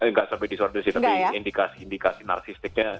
nggak sampai disorder sih tapi indikasi indikasi narsistiknya